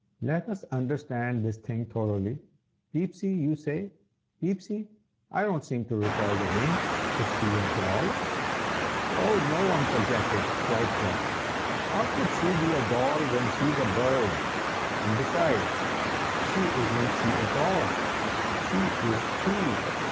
"Let us understand this thing thoroughly. Peepsy, you say? Peepsy? I don't seem to recall the name. Is she a doll?" "Oh! no! Uncle Jacket!" cried Fluff. "How could she be a doll when she is a bird? and besides, she isn't she at all; she is he."